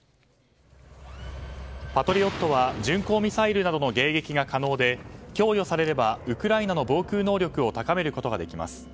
パトリオットは巡航ミサイルなどの迎撃が可能で供与されればウクライナの防空能力を高めることができます。